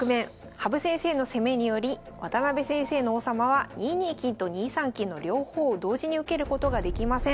羽生先生の攻めにより渡辺先生の王様は２二金と２三金の両方を同時に受けることができません。